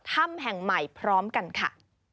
ถ้ำแห่งใหม่พร้อมกันค่ะ